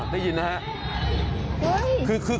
เฮ้ยยิงอะไรละนะ